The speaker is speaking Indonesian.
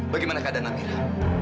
bagaimana keadaan anirah